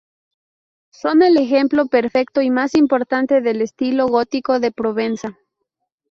Son el ejemplo perfecto y más importante del estilo gótico de Provenza.